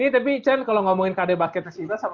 ini tapi chen kalau ngomongin kd basket siva